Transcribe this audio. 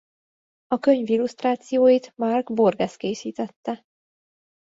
A könyv illusztrációit Mark Burgess készítette.